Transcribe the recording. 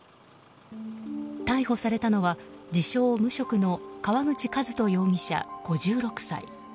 逮捕されたのは自称・無職の川口和人容疑者、５６歳。